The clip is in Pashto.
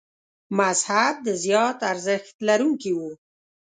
مذهب د زیات ارزښت لرونکي و.